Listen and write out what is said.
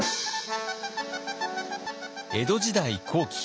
江戸時代後期。